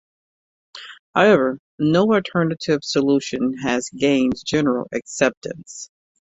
However, no alternative solution has gained general acceptance.